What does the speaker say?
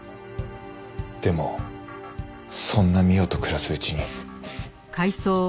でもそんな美緒と暮らすうちに。